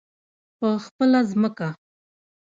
په خپله ځمکه.